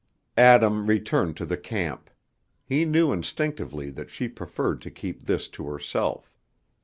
Adam returned to the camp; he knew instinctively that she preferred to keep this to herself.